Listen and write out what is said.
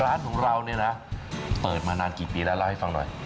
ร้านของเราเนี่ยนะเปิดมานานกี่ปีแล้วเล่าให้ฟังหน่อย